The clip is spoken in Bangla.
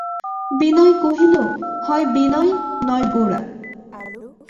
বিনয় কহিল, হয় বিনয়, নয় গোরা।